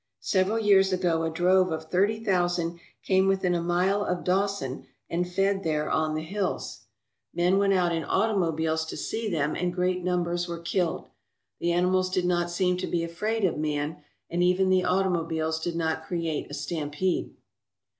Several years ago a drove of thirty thousand came within a mile of Dawson and fed there on the hills. Men 264 OUR NORTHERN GAME PRESERVE went out in automobiles to see them and great numbers were killed. Th 4 e animals did not seem to be afraid of man, and even the automobiles did not create a stampede.